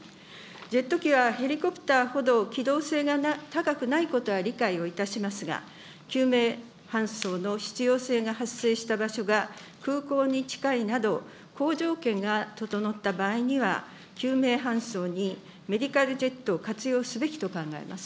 ジェット機はヘリコプターほど機動性が高くないことは理解をいたしますが、救命搬送の必要性が発生した場所が空港に近いなど、好条件が整った場合には、救命搬送にメディカルジェットを活用すべきと考えます。